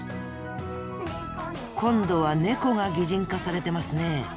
今度はネコが擬人化されてますね。